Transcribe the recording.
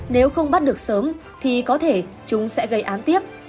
nếu không bắt được sớm thì có thể chúng sẽ gây án tiếp